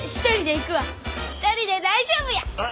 一人で大丈夫や！